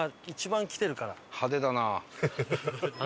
派手だなあ。